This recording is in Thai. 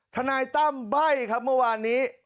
ทนายตั้มใบ้ครับเมื่อวานนี้